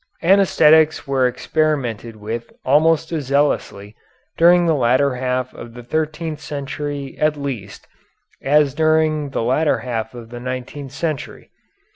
Anæsthetics were experimented with almost as zealously, during the latter half of the thirteenth century at least, as during the latter half of the nineteenth century.